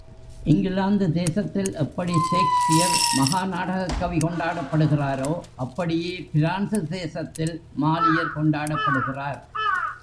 இங்கிலாந்து தேசத்தில் எப்படி ஷேக்ஸ்பியர் மகா நாடகக் கவி கொண்டாடப்படுகிறாரோ, அப்படியே பிரான்சு தேசத்தில் மாலியர் கொண்டாடப்படுகிறார்.